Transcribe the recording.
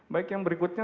baik yang berikutnya